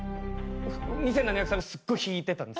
２７００さんがすっごい引いてたんです